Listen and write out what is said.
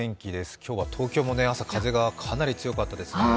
今日は東京も朝、風がかなり強かったですね。